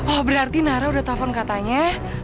oh berarti nara udah telepon katanya